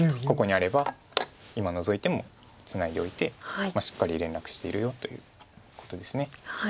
ここにあれば今ノゾいてもツナいでおいて「しっかり連絡しているよ」ということです。